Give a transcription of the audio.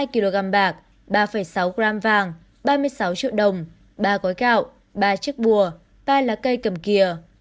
một mươi hai kg bạc ba sáu g vàng ba mươi sáu triệu đồng ba gói gạo ba chiếc bùa ba lá cây cầm kìa